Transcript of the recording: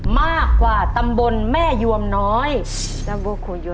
มากกว่าตำบลแม่ยวมน้อยตำบล